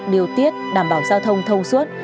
điều tiết đảm bảo giao thông thông suốt